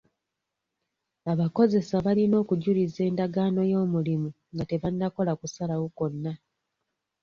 Abakozesa balina okujuliza endagaano y'omulimu nga tebannakola kusalawo kwonna.